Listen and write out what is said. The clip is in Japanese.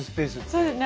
そうですね。